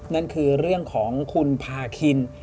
นั่นคือเรื่องของคุณพาคิน